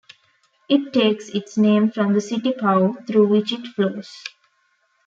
It takes its name from the city Pau, through which it flows.